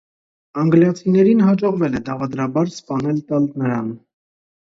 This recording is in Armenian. Անգլիացիներին հաջողվել է դավադրաբար սպանել տալ նրան։